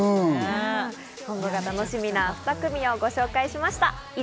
今後が楽しみな２組をご紹介しました。